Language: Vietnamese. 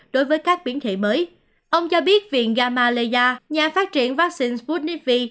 đối với các biến thể mới ông cho biết viện gamaleya nhà phát triển vaccine sputnif v